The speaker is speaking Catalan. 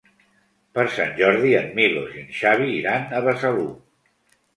Per Sant Jordi en Milos i en Xavi iran a Besalú.